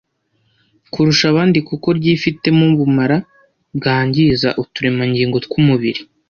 kurusha abandi kuko ryifitemo ubumara bwangiza uturemangingo tw’umubiri.